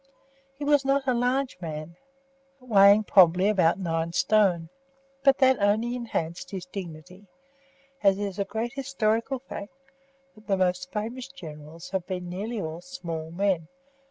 He was not a large man, weighing probably about nine stone; but that only enhanced his dignity, as it is a great historical fact that the most famous generals have been nearly all small men.